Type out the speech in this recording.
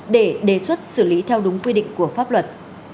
để đề xuất xử lý theo đúng quy định của pháp luật